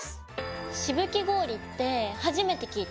「しぶき氷」って初めて聞いた！